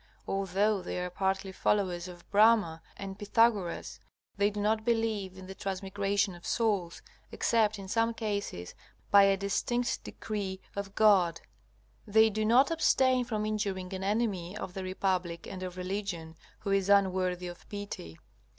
Although they are partly followers of Brahma and Pythagoras, they do not believe in the transmigration of souls, except in some cases by a distinct decree of God. They do not abstain from injuring an enemy of the republic and of religion, who is unworthy of pity.